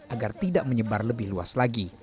agar tidak menyebar lebih luas lagi